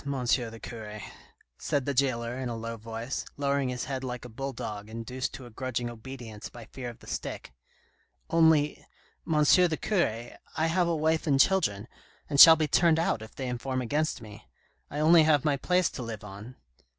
the cure," said the jailer in a low voice, lowering his head like a bull dog, induced to a grudging obedience by fear of the stick, '' only, M. the cure, I have a wife and children, and shall be turned out if they inform against me. I only have my place to live on."